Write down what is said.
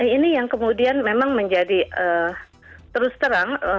ini yang kemudian memang menjadi terus terang